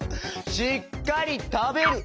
「しっかりたべる」